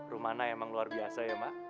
rumana emang luar biasa ya mak